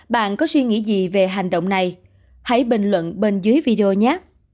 bạn có suy nghĩ gì về hành động này hãy bình luận bên dưới video nhát